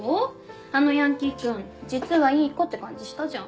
あのヤンキー君実はいい子って感じしたじゃん。